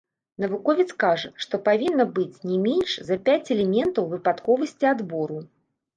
Навуковец кажа, што павінна быць не менш за пяць элементаў выпадковасці адбору.